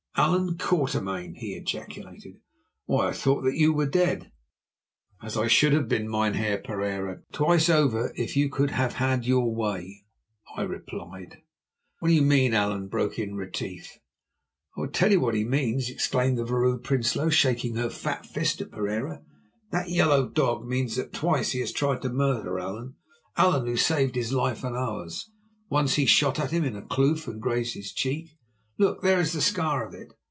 "Allan Quatermain!" he ejaculated. "Why, I thought that you were dead." "As I should have been, Mynheer Pereira, twice over if you could have had your way," I replied. "What do you mean, Allan?" broke in Retief. "I will tell you what he means," exclaimed the Vrouw Prinsloo, shaking her fat fist at Pereira. "That yellow dog means that twice he has tried to murder Allan—Allan, who saved his life and ours. Once he shot at him in a kloof and grazed his cheek; look, there is the scar of it.